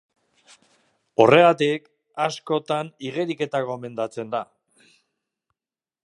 Horregatik askotan igeriketa gomendatzen da.